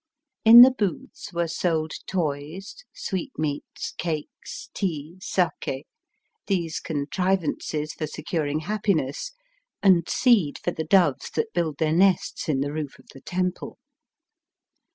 In the booths were sold toys, sweetmeats, cakes, tea, sake, these contrivances for securing happiness, and seed for the doves that build their nests in the roof of the temple.